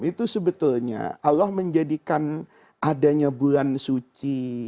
itu sebetulnya allah menjadikan adanya bulan suci